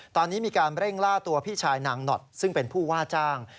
ตอนนี้มีการเร่งล่าตัวพี่ชายนางหนอดซึ่งเป็นผู้ว่าจ้าง